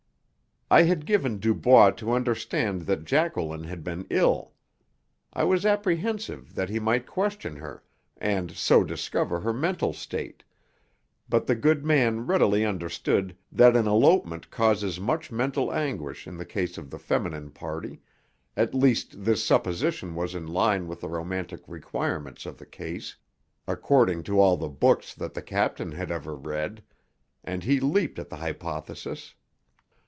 I had given Dubois to understand that Jacqueline had been ill. I was apprehensive that he might question her and so discover her mental state; but the good man readily understood that an elopement causes much mental anguish in the case of the feminine party at least this supposition was in line with the romantic requirements of the case, according to all the books that the captain had ever read; and he leaped at the hypothesis.